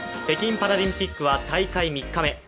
北京パラリンピックは大会３日目。